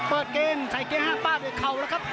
เปิดเกมใส่เกม๕บาทเรียกเขาแล้วครับ